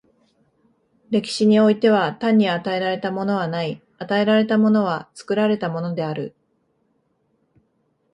歴史においては、単に与えられたものはない、与えられたものは作られたものである。